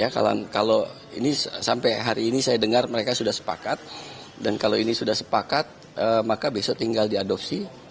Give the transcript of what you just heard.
kalau ini sampai hari ini saya dengar mereka sudah sepakat dan kalau ini sudah sepakat maka besok tinggal diadopsi